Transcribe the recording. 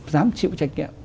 dám chịu trách nhiệm